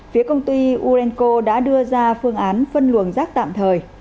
phía công ty urenco đã đưa ra phương án phân luồng rác tạm thời